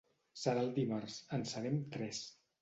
Serà el dimarts; en serem tres.